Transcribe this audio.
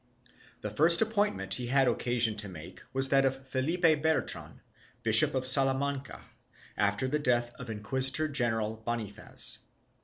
The first appointment he had occasion to make was that of Felipe Bertran, Bishop of Sala manca, after the death of Inquisitor general Bonifaz.